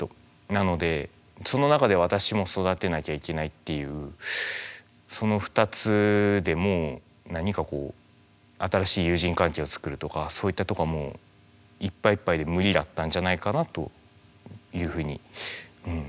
なのでその中で私も育てなきゃいけないっていうその２つでもう何かこう新しい友人関係を作るとかそういったとこはもういっぱいいっぱいで無理だったんじゃないかなというふうにうん